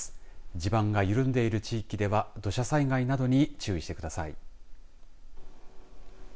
地盤が緩んでいる地域では土砂災害などに注意してください。